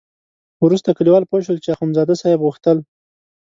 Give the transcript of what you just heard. وروسته کلیوال پوه شول چې اخندزاده صاحب غوښتل.